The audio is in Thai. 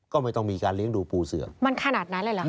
ก็ไม่ต้องมีการเลี้ยงดูปูเสือมันขนาดนั้นเลยเหรอคะ